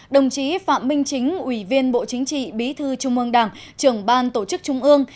đồng chí phạm minh chính ủy viên bộ chính trị bí thư trung ương đảng trưởng ban tổ chức trung ương